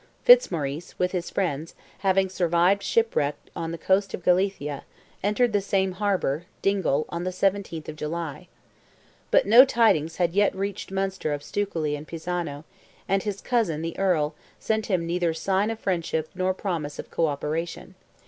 Fitzmaurice, with his friends, having survived shipwreck on the coast of Galicia, entered the same harbour (Dingle) on the 17th of July. But no tidings had yet reached Munster of Stukely and Pisano; and his cousin, the Earl, sent him neither sign of friendship nor promise of co operation.